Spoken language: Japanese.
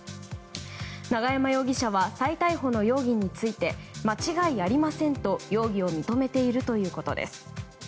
永山容疑者は再逮捕の容疑について間違いありませんと、容疑を認めているということです。